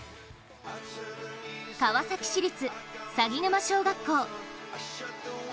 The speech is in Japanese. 川崎市立鷺沼小学校。